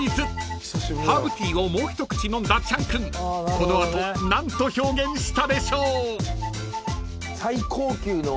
［ハーブティーをもう一口飲んだチャン君この後何と表現したでしょう］